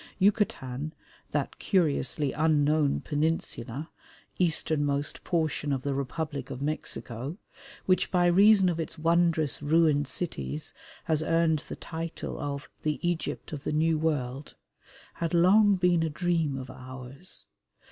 Yucatan, that curiously unknown peninsula, easternmost portion of the Republic of Mexico, which by reason of its wondrous ruined cities has earned the title of "the Egypt of the New World," had long been a dream of ours.